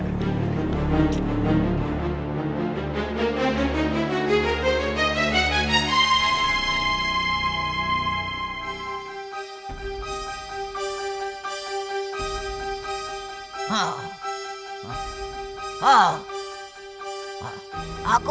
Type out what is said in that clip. udah mesti pergi semuaku